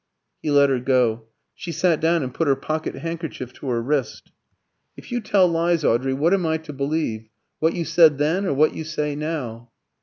He let her go. She sat down and put her pocket handkerchief to her wrist. "If you tell lies, Audrey, what am I to believe? What you said then, or what you say now?"